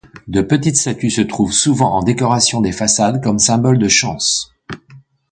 De petite statues se trouvent souvent en décoration des façades comme symbole de chance.